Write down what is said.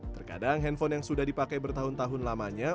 terkadang handphone yang sudah dipakai bertahun tahun lamanya